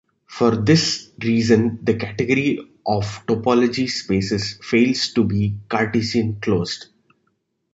For this reason the category of topological spaces fails to be cartesian closed.